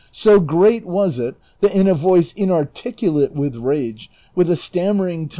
So great was it, that in a voice inarticulate with rage, with a stammering tongue, ' Prov.